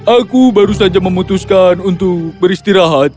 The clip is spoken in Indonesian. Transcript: aku baru saja memutuskan untuk beristirahat